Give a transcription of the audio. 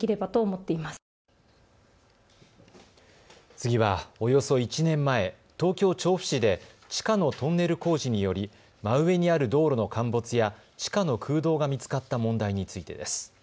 次はおよそ１年前、東京調布市で地下のトンネル工事により真上にある道路の陥没や地下の空洞が見つかった問題についてです。